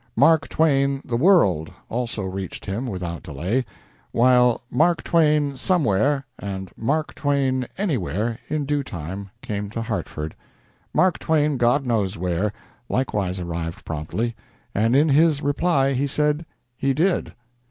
"Mark Twain, The World," also reached him without delay, while "Mark Twain, Somewhere," and "Mark Twain, Anywhere," in due time came to Hartford. "Mark Twain, God Knows Where," likewise arrived promptly, and in his reply he said, "He did."